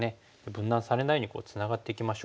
分断されないようにツナがっていきましょう。